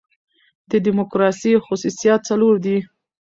د ډیموکراسۍ خصوصیات څلور دي.